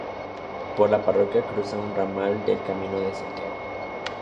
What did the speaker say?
Por la parroquia cruza un ramal del Camino de Santiago.